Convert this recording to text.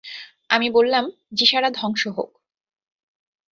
আমি বললাম, যিশারা ধ্বংস হোক!